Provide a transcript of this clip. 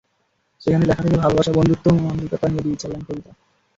সেখানে লেখা থাকে ভালোবাসা, বন্ধুত্ব, মানবিকতা নিয়ে দুই চার লাইন কবিতা।